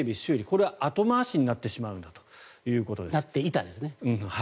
これが後回しになってしまうんだということです。